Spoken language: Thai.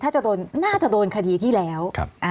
ถ้าจะโดนน่าจะโดนคดีที่แล้ว